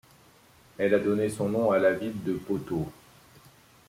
Elle a donné son nom à la ville de Poteau.